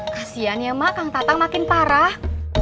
kasian ya mak kang tatang makin parah